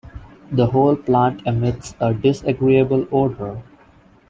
The whole plant emits a disagreeable odour.